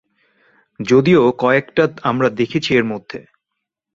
যদিও কয়েকটা আমরা দেখেছি এরমধ্যে।